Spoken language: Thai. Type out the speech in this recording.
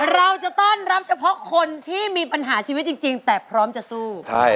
เราจะต้อนรับเฉพาะคนที่มีปัญหาชีวิตจริงแต่พร้อมจะสู้